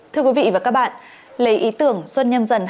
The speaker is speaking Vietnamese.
thưa quý vị và các bạn lấy ý tưởng xuân nhâm dần hai nghìn hai mươi hai